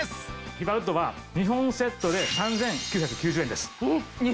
ヒバウッドは２本セットで３９９０円です。